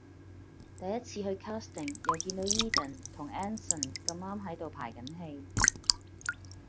第一次去 casting 又見到 Edan 同 Anson 咁啱喺度排緊戲